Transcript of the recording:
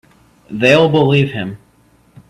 They'll believe him.